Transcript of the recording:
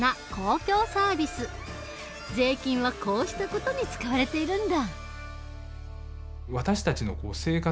税金はこうした事に使われているんだ。